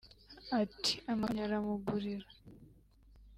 Ati”Amakamyo aramugurira